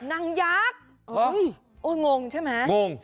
นางยักษ์โอ้ยโอ้ยงงใช่ไหมงง